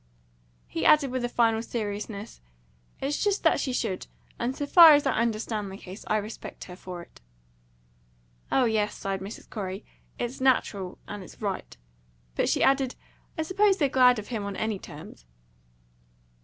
He added with final seriousness, "It's just that she should, and, so far as I understand the case, I respect her for it." "Oh yes," sighed Mrs. Corey. "It's natural, and it's right." But she added, "I suppose they're glad of him on any terms."